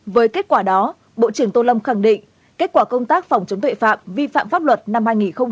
với kết quả đó bộ trưởng tô lâm khẳng định kết quả công tác phòng chống tội phạm vi phạm pháp luật năm hai nghìn một mươi chín